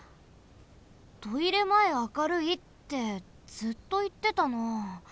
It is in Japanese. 「トイレまえ明るい」ってずっといってたな。